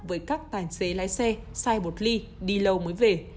với các tài xế lái xe sai bột ly đi lâu mới về